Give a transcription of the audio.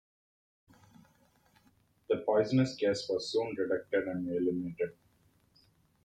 The poisonous gas was soon detected and eliminated.